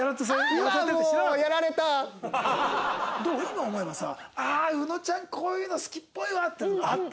今思えばさ「あ宇野ちゃんこういうの好きっぽいわ」っていうのあった？